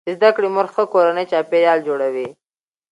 د زده کړې مور ښه کورنی چاپیریال جوړوي.